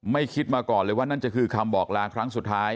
คิดมาก่อนเลยว่านั่นจะคือคำบอกลาครั้งสุดท้าย